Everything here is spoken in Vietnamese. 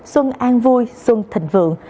xuân an vui xuân thịnh vượng